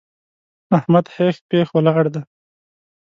احمد هېښ پېښ ولاړ دی!